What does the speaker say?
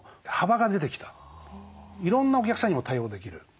いろんなお客さんにも対応できる。